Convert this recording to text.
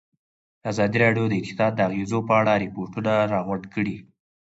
ازادي راډیو د اقتصاد د اغېزو په اړه ریپوټونه راغونډ کړي.